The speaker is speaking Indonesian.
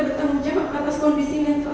bertanggung jawab atas kondisi mental